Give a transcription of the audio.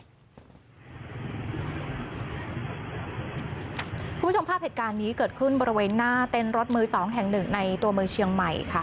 คุณผู้ชมภาพเหตุการณ์นี้เกิดขึ้นบริเวณหน้าเต้นรถมือ๒แห่งหนึ่งในตัวเมืองเชียงใหม่ค่ะ